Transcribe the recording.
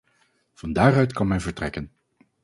Van daaruit kan men vertrekken.